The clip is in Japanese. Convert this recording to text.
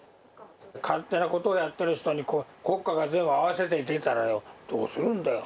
勝手なことをやってる人に国家が全部合わせていたらよどうするんだよ。